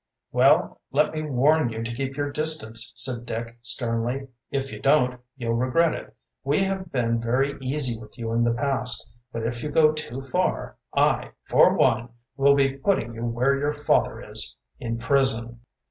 "Well, let me warn you to keep your distance," said Dick sternly. "If you don't, you'll regret it. We have been very easy with you in the past, but if you go too far, I, for one, will be for putting you where your father is, in prison."